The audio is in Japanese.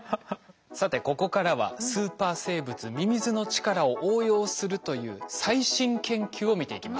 さてここからはスーパー生物ミミズの力を応用するという最新研究を見ていきます。